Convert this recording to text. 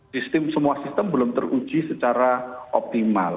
sistem semua sistem belum teruji secara optimal